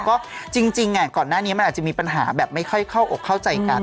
ก็จริงก่อนหน้านี้มันอาจจะมีปัญหาแบบไม่ค่อยเข้าอกเข้าใจกัน